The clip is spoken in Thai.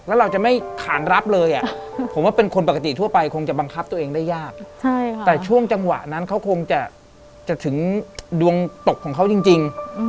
แต่ช่วงจังหวะนั้นเขาคงจะถึงดวงตกของเขาจริง